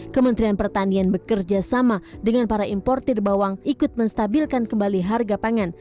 kementerian pertanian bekerjasama dengan para importer bawang ikut menstabilkan kembali harga pangan